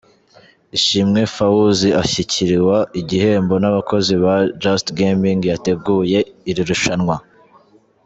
Ishimwe Fauzi ashyikiriwa igihembo n'abakozi ba Just Gaming yateguye iri rushanwa .